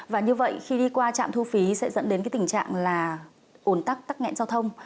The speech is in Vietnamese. và như vậy khi đi qua trạm thu phí sẽ dẫn đến cái tình trạng là ồn tắc tắc nghẹn giao thông